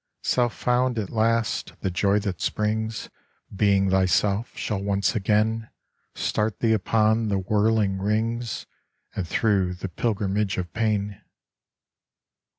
Self found at last, the joy that springs Being thyself, shall once again Start thee upon the whirling rings And through the pilgrimage of pain.